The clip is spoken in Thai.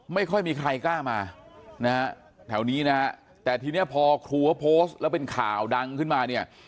ไม่ค่อยมีใครกล้ามานะฮะแถวนี้นะฮะแต่ทีนี้พอครูเขาโพสต์แล้วเป็นข่าวดังขึ้นมาเนี่ย